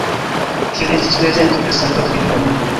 Tio estis prezento de Sankta Triunuo.